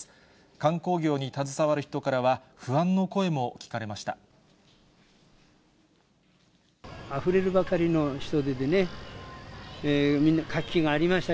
観光業に携わる人からは、不安の声も聞かれました。